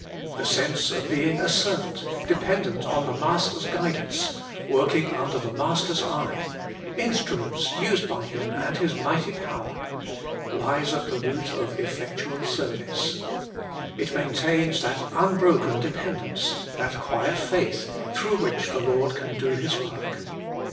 The sense of being a serv ant, dependent on the Master's guidance, working under the Master's eye, instru ments used by Him and His mighty power, lies at the root of effectual service. It maintains that unbroken dependence, that quiet faith, through which the Lord can do His work.